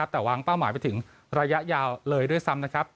แต่วางเป้าหมายไปถึงระยะยาวเลยด้วยซ้ำนะครับ